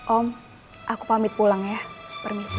om aku pamit pulang ya permisi